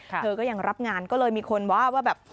เธอก็ยังรับงานก็เลยมีคนว่าว่าแบบ